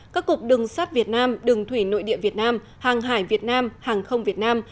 các cục đường sát việt nam đường thủy nội địa việt nam hàng hải việt nam hàng không việt nam